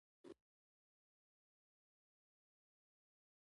هغه درېیم فرعون یې باله، د نېل رب النوع یې ورته ویل.